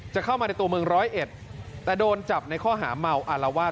จะเข้ามาในตัวเมืองร้อยเอ็ดแต่โดนจับในข้อหาเมาอารวาส